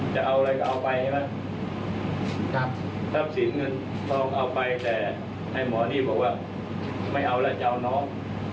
จะเอาอะไรก็เอาไปใช่ไหมครับทรัพย์สินเงินทองเอาไปแต่ให้หมอนี่บอกว่าไม่เอาแล้วจะเอาน้อง